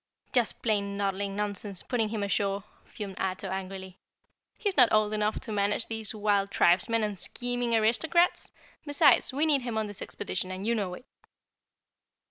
"Just plain noddling nonsense, putting him ashore," fumed Ato angrily. "He's not old enough to manage these wild tribesmen and scheming aristocrats. Besides, we need him on this expedition, and you know it."